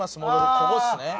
ここですね。